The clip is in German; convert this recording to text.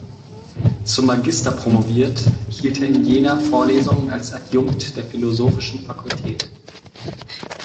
Zum Magister promoviert, hielt er in Jena Vorlesungen als Adjunkt der philosophischen Fakultät.